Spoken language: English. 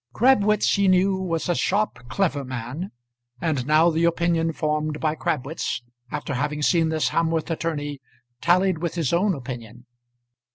Crabwitz he knew was a sharp, clever man, and now the opinion formed by Crabwitz, after having seen this Hamworth attorney, tallied with his own opinion.